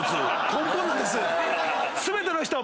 根本なんです。